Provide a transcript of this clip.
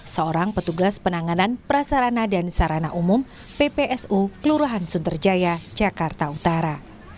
seorang petugas penanganan prasarana dan sarana umum ppsu kelurahan sunterjaya jakarta utara